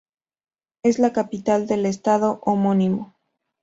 Es la capital del estado homónimo.